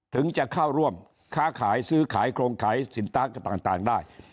ถึงจะเข้าร่วมค้าขายซื้อขายโครงขายสินค้าต่างได้